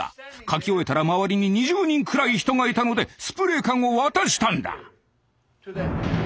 書き終えたら周りに２０人くらい人がいたのでスプレー缶を渡したんだ。